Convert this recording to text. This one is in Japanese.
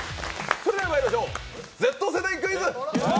それではまいりましょう、Ｚ世代クイズ！